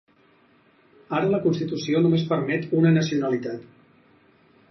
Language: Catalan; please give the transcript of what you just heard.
Ara la constitució només permet una nacionalitat.